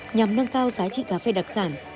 nhằm nâng cao giá trị cà phê đặc sản